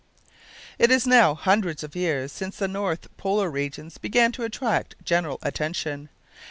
It is now hundreds of years since the North polar regions began to attract general attention.